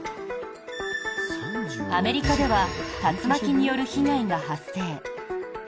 アメリカでは竜巻による被害が発生。